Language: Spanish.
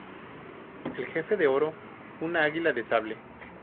El jefe de oro, una águila de sable.≫